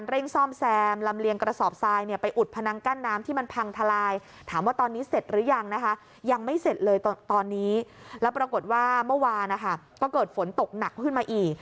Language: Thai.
แล้วปรากฏว่าเมื่อวานก็เกิดฝนตกหนักขึ้นมาอีก